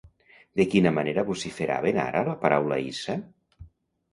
De quina manera vociferaven ara la paraula hissa?